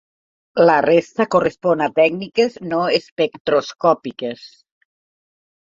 La resta correspon a tècniques no espectroscòpiques.